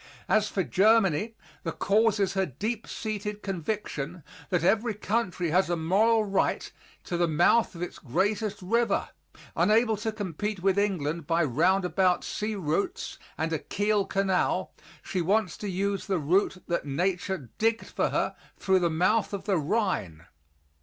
As for Germany, the cause is her deep seated conviction that every country has a moral right to the mouth of its greatest river; unable to compete with England, by roundabout sea routes and a Kiel Canal, she wants to use the route that nature digged for her through the mouth of the Rhine.